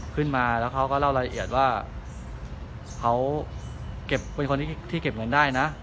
ขึ้นมาแล้วเขาก็เล่ารายละเอียดว่าเขาเก็บเป็นคนที่เก็บเงินได้นะ